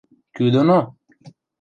— Кӱ доно?..